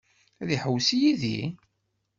Ad iḥewwes yid-i?